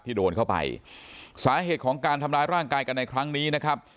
โดนเข้าไปสาเหตุของการทำร้ายร่างกายกันในครั้งนี้นะครับ